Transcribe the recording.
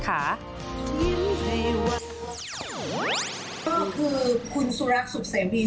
ก็คือคุณสุรัสสุทธิวีกล์